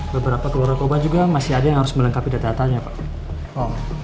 beberapa telur narkoba juga masih ada yang harus melengkapi data datanya pak